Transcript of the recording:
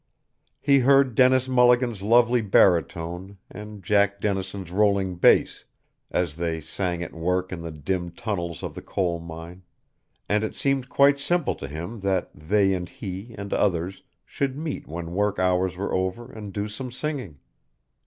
He heard Dennis Mulligan's lovely baritone and Jack Dennison's rolling bass, as they sang at work in the dim tunnels of the coal mine, and it seemed quite simple to him that they and he and others should meet when work hours were over and do some singing.